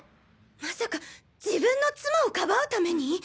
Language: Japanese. まさか自分の妻をかばう為に？